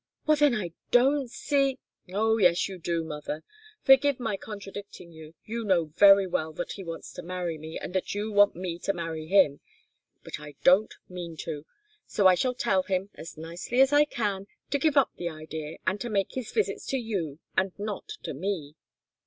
"Well, then I don't see " "Oh, yes, you do, mother, forgive my contradicting you, you know very well that he wants to marry me, and that you want me to marry him. But I don't mean to. So I shall tell him, as nicely as I can, to give up the idea, and to make his visits to you, and not to me."